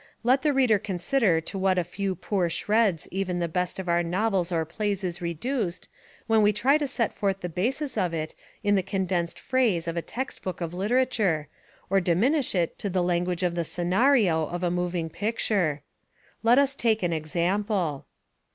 Let the reader consider to what a few poor shreds even the best of our novels or plays is reduced, when we try to set 249 Essays and Literary Studies forth the basis of it in the condensed phrase of a text book of literature, or diminish it to the language of the "scenario" of a moving pic ture. Let us take an example.